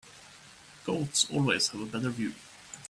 Goats always have a better view.